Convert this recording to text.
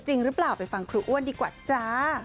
จริงหรือเปล่าไปฟังครูอ้วนดีกว่าจ้า